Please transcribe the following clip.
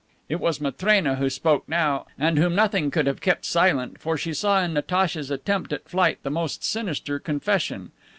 It was Matrena who spoke now and whom nothing could have kept silent, for she saw in Natacha's attempt at flight the most sinister confession.